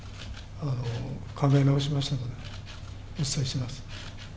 考え直しましたので、お伝えします。